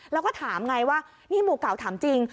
แล้วก็ถามไงว่านี่หมู่เก่าถามจริง